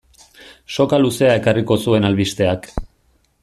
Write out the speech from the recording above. Soka luzea ekarriko zuen albisteak.